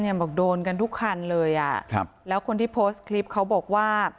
บอกโดนกันทุกคันเลยอ่ะครับแล้วคนที่โพสต์คลิปเขาบอกว่า